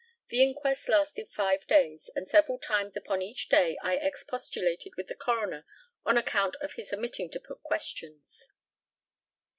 The inquest lasted five days, and several times upon each day I expostulated with the coroner on account of his omitting to put questions.